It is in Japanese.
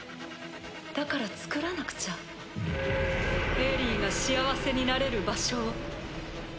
だから作らなくちゃエリィが幸せになれる場所を。